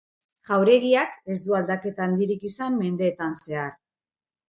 Jauregiak ez du aldaketa handirik izan mendeetan zehar.